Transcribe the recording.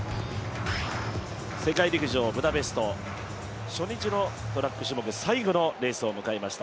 世界陸上ブダペスト、初日のトラック種目最後のレースを迎えました